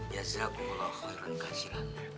yazagullah khairan khasilan